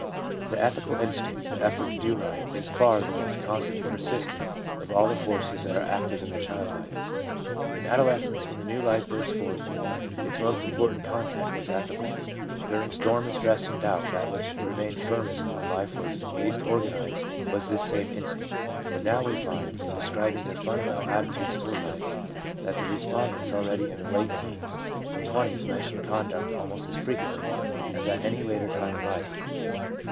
The ethical instinct, the effort to do right, is far the most constant and persistent of all the forces that are active in the child life. In adoles cence, when the new life bursts forth, its most important content was ethical. During storm and stress and doubt that which remained firmest when life was least organised was this same instinct. And now we find, in describing their fundamental attitudes toward life, that the re spondents already in the late teens and twenties mention conduct almost as frequently as at any later time in life.